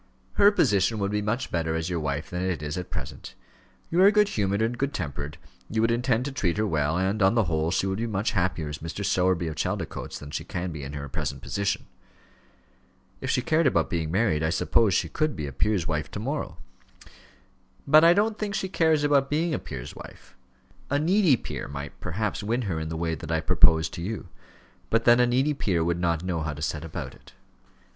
"Her position would be much better as your wife than it is at present. You are good humoured and good tempered, you would intend to treat her well, and, on the whole, she would be much happier as Mrs. Sowerby, of Chaldicotes, than she can be in her present position." "If she cared about being married, I suppose she could be a peer's wife to morrow." "But I don't think she cares about being a peer's wife. A needy peer might perhaps win her in the way that I propose to you; but then a needy peer would not know how to set about it.